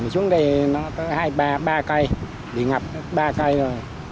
tử ngột bị ngập ba cây rồi